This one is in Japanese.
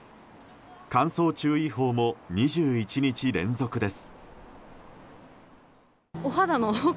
乾燥注意報も２１日連続です。